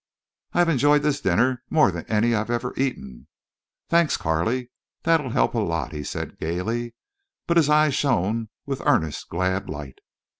"I've enjoyed this dinner more than any I've ever eaten." "Thanks, Carley. That'll help a lot," he said, gayly, but his eyes shone with earnest, glad light.